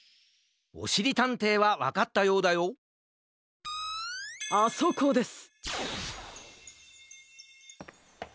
おしりたんていはわかったようだよあそこです。